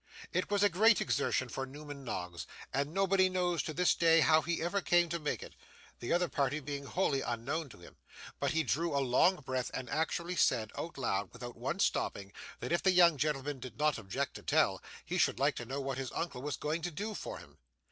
It was a great exertion for Newman Noggs, and nobody knows to this day how he ever came to make it, the other party being wholly unknown to him, but he drew a long breath and actually said, out loud, without once stopping, that if the young gentleman did not object to tell, he should like to know what his uncle was going to do for him.